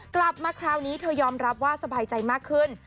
กลับมาคราวนี้เธอยอมรับว่าสบายใจมากขึ้น